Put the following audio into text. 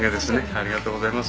ありがとうございます。